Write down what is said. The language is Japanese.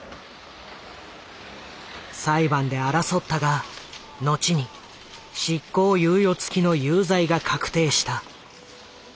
裁判で争ったがのちに執行猶予付きの有罪が確定した。